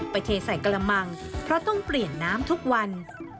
เทใส่กระมังเพราะต้องเปลี่ยนน้ำทุกวัน